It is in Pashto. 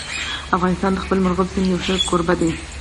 افغانستان د خپل مورغاب سیند یو ښه کوربه دی.